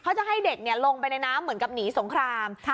เขาจะให้เด็กเนี้ยลงไปในน้ำเหมือนกับหนีสงครามค่ะ